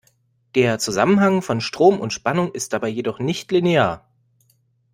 Der Zusammenhang von Strom und Spannung ist dabei jedoch nicht linear.